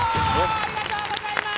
ありがとうございます！